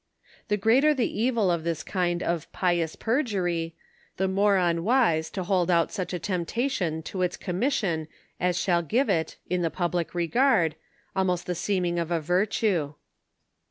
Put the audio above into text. The greater the evil of this kind of " pious perjury,'^ the more unwise to hold out such a temptation to its commission as shall give it, in the public regard, almost the seem* ing of a virtue.